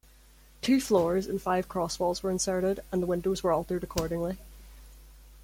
Two floors and five cross-walls were inserted, and the windows were altered accordingly.